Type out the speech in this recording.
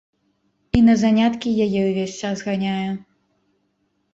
І на заняткі яе ўвесь час ганяю.